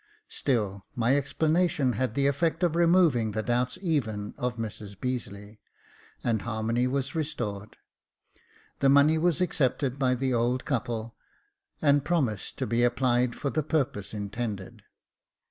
Still my explanation had the effect of removing the doubts even of Mrs Beazeley, and harmony was restored. The money was accepted by the old couple, and promised to be applied for the purpose intended.